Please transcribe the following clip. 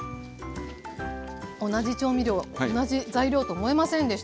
同じ調味料同じ材料と思えませんでした。